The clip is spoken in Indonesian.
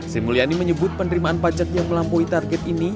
sri mulyani menyebut penerimaan pajak yang melampaui target ini